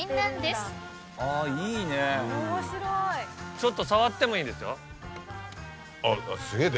ちょっと触ってもいいですよ。